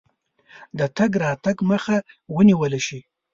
د تګ راتګ مخه ونیوله شي.